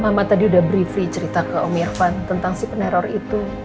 mama tadi udah bree free cerita ke om irfan tentang si peneror itu